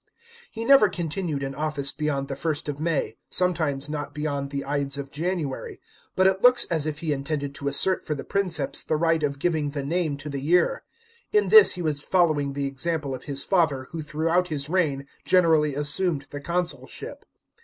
He never continued in office beyond the 1st of May, some times not beyond the Ides of January, but it looks as if he intended to assert for the Princeps the right of giving the name to the year. In this he was following the example of his father, who throughout his reign generally assumed the consulship.